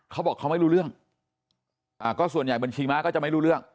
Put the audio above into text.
เขาบอกเขาไม่รู้เรื่องอ่าก็ส่วนใหญ่บัญชีม้าก็จะไม่รู้เรื่อง